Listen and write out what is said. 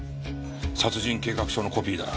殺人計画書のコピーだ。